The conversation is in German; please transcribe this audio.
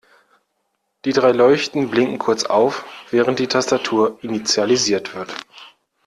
Die drei Leuchten blinken kurz auf, während die Tastatur initialisiert wird.